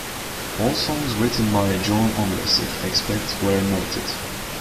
All songs written by John Ondrasik, except where noted.